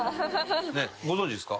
ご存じですか？